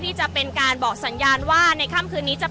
อาจจะออกมาใช้สิทธิ์กันแล้วก็จะอยู่ยาวถึงในข้ามคืนนี้เลยนะคะ